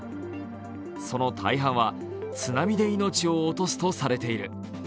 その大半は津波で命を落とすとされている。